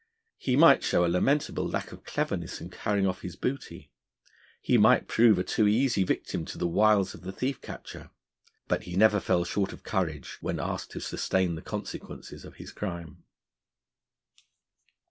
He might show a lamentable lack of cleverness in carrying off his booty; he might prove a too easy victim to the wiles of the thief catcher; but he never fell short of courage, when asked to sustain the consequences of his crime.